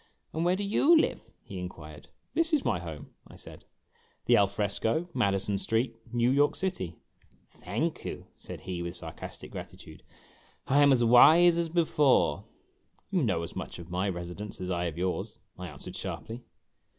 "And where do you live?" he inquired. "This is my home," I said; "the Alfresco, Madison street, New York City." j "Thank you," said he, with sarcastic gratitude. " I am as wise as before !"" You know as much of my residence as I of yours !' I answered sharply.